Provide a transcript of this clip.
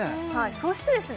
そしてですね